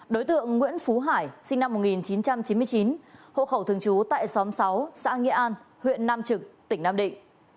đối tượng nguyễn phú hải sinh năm một nghìn chín trăm chín mươi chín hộ khẩu thường trú tại xóm sáu xã nghĩa an huyện nam trực tỉnh nam định